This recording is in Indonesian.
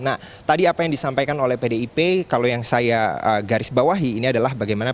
nah tadi apa yang disampaikan oleh pdip kalau yang saya garis bawahi ini adalah bagaimana